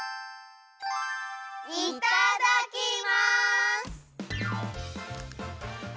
いただきます！